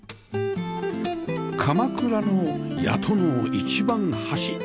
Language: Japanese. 鎌倉の谷戸の一番端